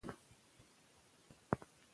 ایا علم په مورنۍ ژبه اغېزناک دی؟